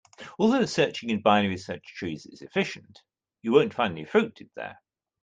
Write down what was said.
Although searching in binary search trees is efficient, you won't find any fruit in there.